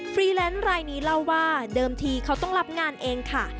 รีแลนซ์รายนี้เล่าว่าเดิมทีเขาต้องรับงานเองค่ะ